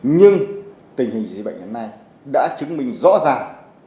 nhưng tình hình dịch bệnh hiện nay đã chứng minh rõ ràng